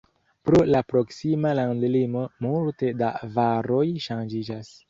Pro la proksima landlimo multe da varoj ŝanĝiĝas.